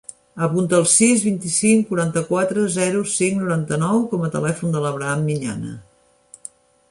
Apunta el sis, vint-i-cinc, quaranta-quatre, zero, cinc, noranta-nou com a telèfon de l'Abraham Miñana.